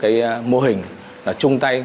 xây dựng mô hình chung tay